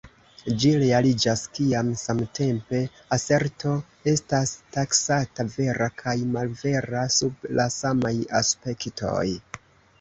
Ĝi realiĝas kiam samtempe aserto estas taksata vera kaj malvera sub la samaj aspektoj.